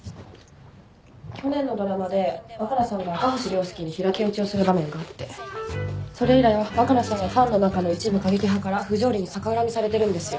去年のドラマで若菜さんが明星涼介に平手打ちをする場面があってそれ以来若菜さんはファンの中の一部過激派から不条理に逆恨みされてるんですよ。